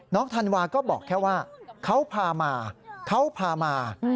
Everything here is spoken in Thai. ธันวาก็บอกแค่ว่าเขาพามาเขาพามา